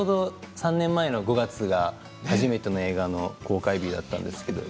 ３年前の５月が初めての映画の公開日だったんです。